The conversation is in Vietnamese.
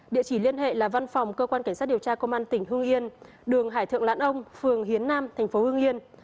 điều tra công an tỉnh hương yên đường hải thượng lãn ông phường hiến nam tp hương yên